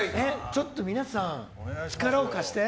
ちょっと皆さん、力を貸して。